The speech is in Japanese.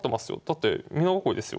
だって美濃囲いですよ。